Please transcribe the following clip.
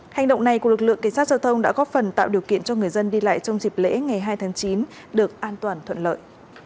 hành động này của lực lượng cảnh sát giao thông đã góp phần tạo điều kiện cho người dân đi lại trong dịp lễ ngày hai tháng chín được an toàn thuận lợi